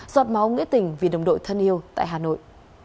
giọt máu nghĩa tình vì đồng đội thân yêu tại hà nội